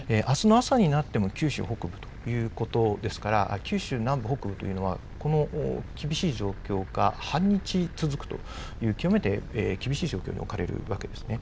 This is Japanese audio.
あすの朝になっても九州北部ということですから、九州南部、北部というのは、この厳しい状況が半日続くという極めて厳しい状況に置かれるわけですね。